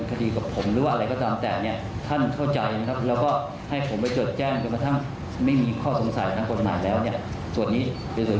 พร้อมเสนอไปทางประวัติศาสตร์ควรจะหามลือกับกระทรวงสาธารณสุข